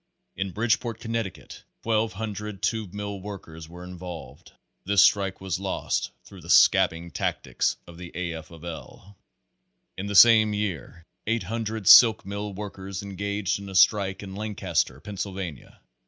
In Bridgeport, Connecticut, 1,200 tube mill workers were involved. This strike was lost through the scab bing tactics of the A. F. of L. In the same year 800 silk mill workers engaged in a strike at Lancaster, Pennsylvania.